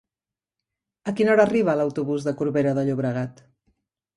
A quina hora arriba l'autobús de Corbera de Llobregat?